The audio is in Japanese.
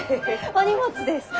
お荷物ですか？